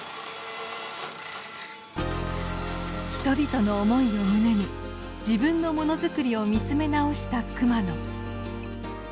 人々の思いを胸に自分のものづくりを見つめ直した熊野。